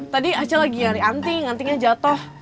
tadi acil lagi nyari anting antingnya jatuh